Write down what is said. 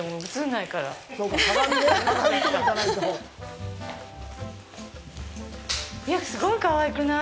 いや、すごいかわいくない？